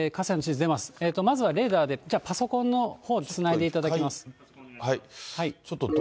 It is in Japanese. まずはレーダーで、パソコンのほう、つないでいただきます。